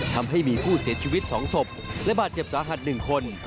ทำให้มีผู้เสียชีวิต๒ศพและบาดเจ็บสาหัส๑คน